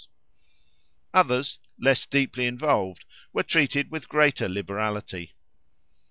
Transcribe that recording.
Others, less deeply involved, were treated with greater liberality.